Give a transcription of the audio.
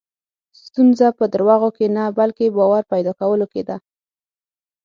ستونزه په دروغو کې نه، بلکې باور پیدا کولو کې ده.